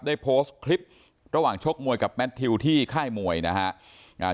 ได้โพสต์คลิประหว่างชกมวยกับแมททิวที่ค่ายมวยนะฮะ